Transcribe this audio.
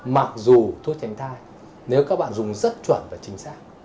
mặc dù thuốc tránh thai nếu các bạn dùng rất chuẩn và chính xác